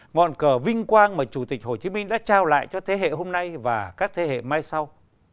ngọn cờ vinh quang mà chủ tịch hồ chí minh đã trao lại cho thế hệ hôm nay và các thế hệ mai sau